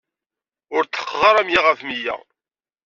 Ur tḥeqqeɣ ara meyya ɣef meyya.